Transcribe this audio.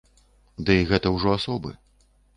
Дый гэта ўжо асобы.